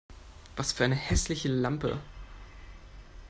Was für eine hässliche Lampe!